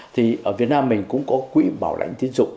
thì ở việt nam mình cũng có quỹ bảo lãnh tiến dụng